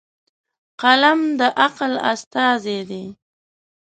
قلم د عقل استازی دی.